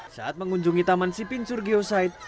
saat mengunjungi taman sipinsur geosite